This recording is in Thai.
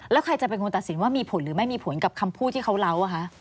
แล้วใครจะเป็นคนตัดสินว่ามีผลหรือไม่มีผลกับคำพูดที่เขาเล่า